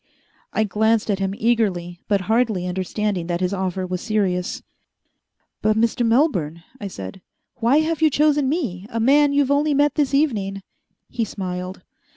I glanced at him eagerly, but hardly understanding that his offer was serious. "But, Mr. Melbourne," I said, "why have you chosen me a man you've only met this evening?" He smiled.